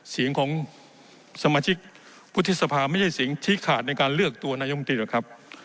สิ่งของสมาชิกพุทธศพาไม่ใช่สิ่งที่ขาดในการเลือกตัวนายุมตรีหรอกครับ